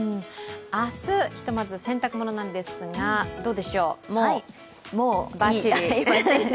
明日、ひとまず洗濯物なんですがどうでしょう、もうばっちり。